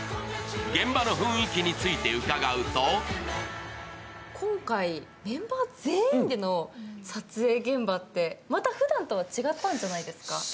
現場の雰囲気について伺うと今回、メンバー全員での撮影現場って、またふだんとは違ったんじゃないですか？